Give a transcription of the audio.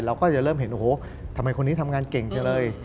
เราก็จะเริ่มเห็นโอ้โหทำไมคนนี้ทำงานเก่งจังเลย